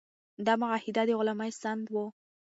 دا معاهده د غلامۍ سند و.